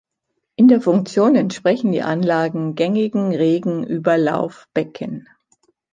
In der Funktion entsprechen die Anlagen gängigen Regenüberlaufbecken.